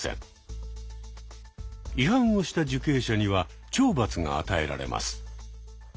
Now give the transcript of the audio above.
違反をした受刑者には懲罰が与えられます。